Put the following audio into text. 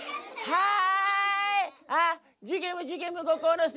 「はい」。